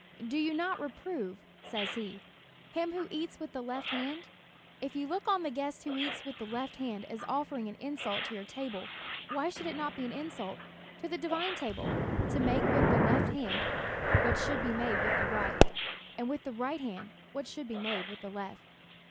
"Do you not reprove," says he, "him who eats with the left hand ? If you look on the guest who eats with the left hand as offering an insult to your table, why should it not be an insult to the divine table, to make with the left hand what should be made with the right, and with the right what should be made with the left."